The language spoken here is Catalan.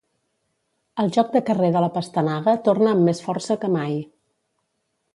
El joc de carrer de la pastanaga torna amb més força que mai